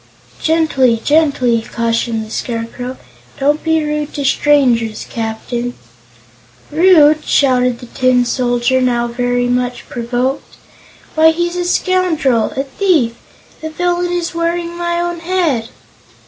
"Gently gently!" cautioned the Scarecrow; "don't be rude to strangers, Captain." "Rude?" shouted the Tin Soldier, now very much provoked; "why, he's a scoundrel a thief! The villain is wearing my own head!"